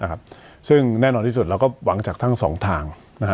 นะครับซึ่งแน่นอนที่สุดเราก็หวังจากทั้งสองทางนะฮะ